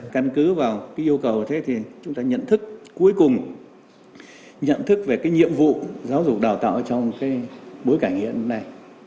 căn cứ vào yêu cầu thế thì chúng ta nhận thức cuối cùng nhận thức về nhiệm vụ giáo dục đào tạo trong bối cảnh hiện nay